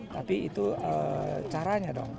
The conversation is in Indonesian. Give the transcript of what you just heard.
tapi itu caranya dong